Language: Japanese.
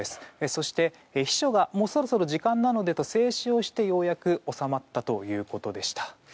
そして、秘書がもうそろそろ時間なのでと制止をして、ようやく収まったということでした。